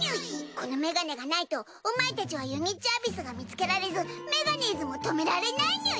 このメガネがないとお前たちはゆにっちアビスが見つけられずメガネーズも止められないにゅい！